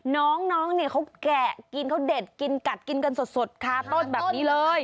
น้องเนี่ยเขาแกะกินเขาเด็ดกินกัดกินกันสดคาต้นแบบนี้เลย